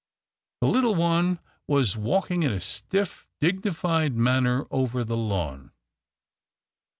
The little one was walking in a stiff dignified manner over the lawn.